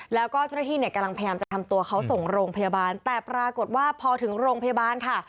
แล้วก็เจ้าหน้าที่เนี่ยกำลังพยายามจะทำตัวเขาส่งโรงพยาบาลแต่ปรากฏว่าพอถึงโรงพยาบาลค่ะ